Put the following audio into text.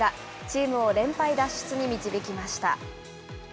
チームを連敗脱出に導きました。